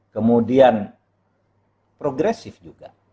kemudian progresif juga